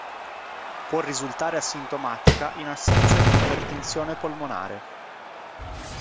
Può risultare asintomatica in assenza di ipertensione polmonare.